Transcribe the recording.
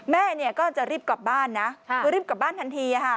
แม่ก็จะรีบกลับบ้านนะรีบกลับบ้านทันที